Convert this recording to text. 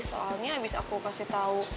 soalnya abis aku kasih tahu